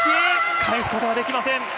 返すことはできません。